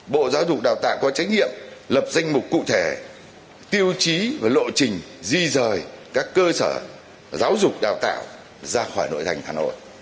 bộ giáo dục đào tạo có trách nhiệm lập danh mục cụ thể tiêu chí và lộ trình di rời các cơ sở giáo dục đào tạo ra khỏi nội thành hà nội